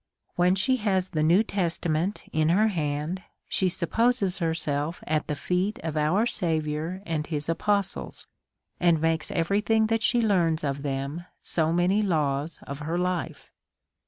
When she has the New Testament in her hand, she supposes herself at the feet of our Saviour and his apostles, and makes every thing that she learns of them so many laws of her life.